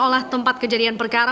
olah tempat kejadian perkara